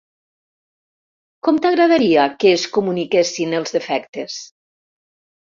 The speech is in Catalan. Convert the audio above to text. Com t'agradaria que es comuniquessin els defectes?